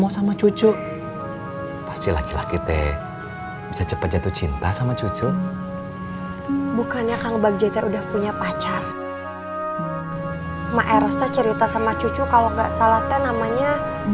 sampai jumpa di video selanjutnya